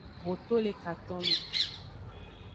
Ho to le katome.